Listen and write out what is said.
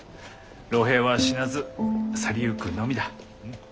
老兵は死なず去りゆくのみだ。